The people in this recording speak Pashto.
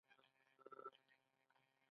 • د شپې ځینې خلک له یوازیتوبه ډاریږي.